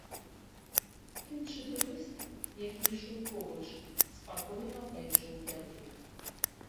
Іншы турыст, які ішоў побач, спакойна пайшоў далей.